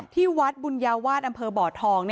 ที่วัดบุญญาวาสอำเภอบ่อทอง